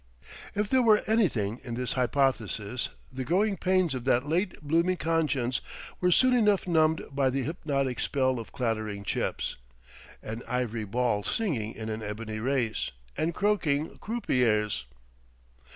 If there were anything in this hypothesis, the growing pains of that late blooming conscience were soon enough numbed by the hypnotic spell of clattering chips, an ivory ball singing in an ebony race, and croaking croupiers.